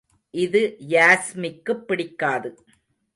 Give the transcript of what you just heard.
இது யாஸ்மிக்குப் பிடிக்காது.